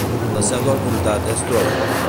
La seu del comtat és Troy.